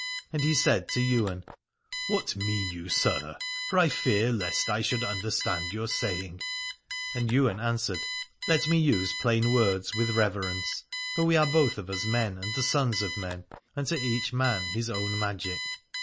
And he said to Ywain : What mean you, sir, for I fear lest I should understand your saying. And Ywain answered : Let me use plain words with reverence : for we are both of us men and the sons of men, and to each man his own magic.